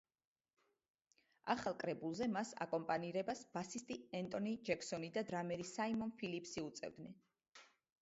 ახალ კრებულზე მას აკომპანირებას ბასისტი ენტონი ჯექსონი და დრამერი საიმონ ფილიპსი უწევდნენ.